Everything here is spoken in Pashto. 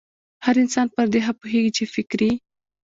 هر انسان پر دې ښه پوهېږي چې فکري